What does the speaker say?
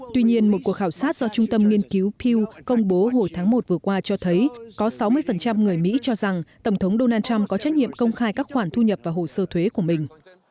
tuy nhiên một cuộc khảo sát do trung tâm nghiên cứu pew công bố hồi tháng một vừa qua cho thấy có sáu mươi người mỹ cho rằng tổng thống donald trump có trách nhiệm công khai các khoản thu nhập và hồ sơ thuế của mình